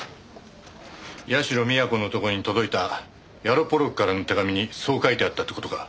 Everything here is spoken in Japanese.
社美彌子のところに届いたヤロポロクからの手紙にそう書いてあったって事か？